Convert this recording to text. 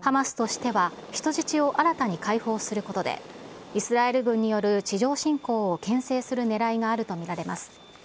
ハマスとしては人質を新たに解放することで、イスラエル軍による地上侵攻をけん制するねらいがあると見られます。